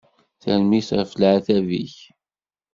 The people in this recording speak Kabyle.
Tanemmirt ɣef leεtab-ik.